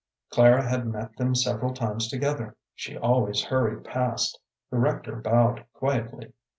Clara had met them several times together. She always hurried past. The rector bowed quietly.